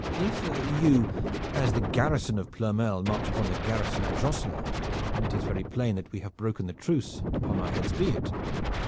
"If you as the garrison of Ploermel march upon the garrison of Josselin, then it is very plain that we have broken the truce and upon our heads be it.